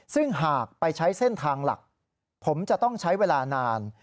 ซึ่งหากไปใช้เส้นทางหลักผมจะต้องใช้เวลานาน